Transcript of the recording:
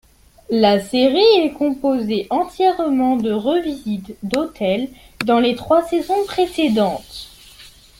La série est composée entièrement de revisite d'hôtels dans les trois saisons précédentes.